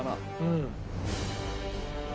うん。